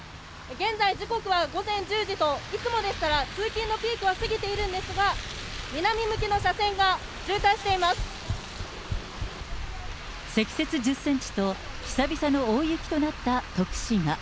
現在、時刻は午前１０時と、いつもですと通勤のピークを過ぎているんですが、積雪１０センチと、久々の大雪となった徳島。